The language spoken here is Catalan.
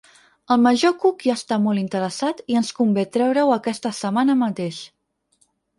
El major Cook hi està molt interessat i ens convé treure-ho aquesta setmana mateix.